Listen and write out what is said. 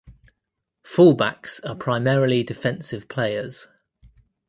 Fullbacks are primarily defensive players.